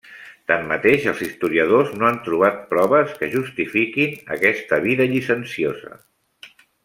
Tanmateix, els historiadors no han trobat proves que justifiquin aquesta vida llicenciosa.